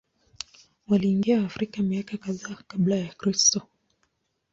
Waliingia Afrika miaka kadhaa Kabla ya Kristo.